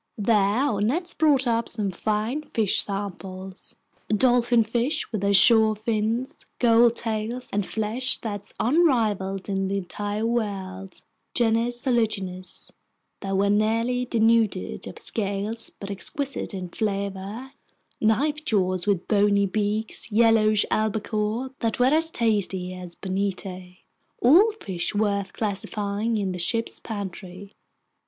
There our nets brought up some fine fish samples: dolphinfish with azure fins, gold tails, and flesh that's unrivaled in the entire world, wrasse from the genus Hologymnosus that were nearly denuded of scales but exquisite in flavor, knifejaws with bony beaks, yellowish albacore that were as tasty as bonito, all fish worth classifying in the ship's pantry.